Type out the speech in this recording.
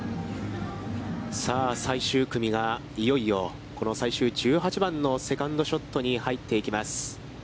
さあ、最終組がいよいよ、この最終１８番のショットに入っていきます。